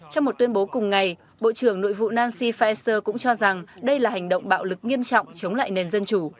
trong một tuyên bố cùng ngày bộ trưởng nội vụ nancy faeser cũng cho rằng đây là hành động bạo lực nghiêm trọng chống lại nền dân chủ